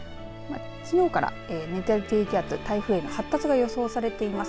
きのうから熱帯低気圧台風への発達が予想されています。